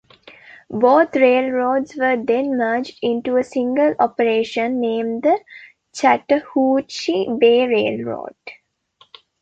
Both railroads were then merged into a single operation, named the Chattahoochee Bay Railroad.